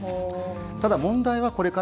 ただ問題はこれから。